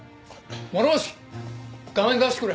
諸星画面出してくれ。